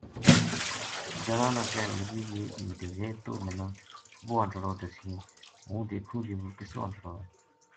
جنا نا کہن لگی جی مدیہرے توہ منا وہ انٹڑو دسینیے ہوں دیکھوں جی وہ کِسو انٹڑو ہے